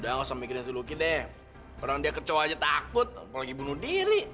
udah gak usah mikirin si lucky deh orang dia kecoh aja takut apalagi bunuh diri